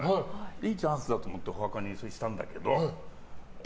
いいチャンスだと思ってお墓にしたんだけど。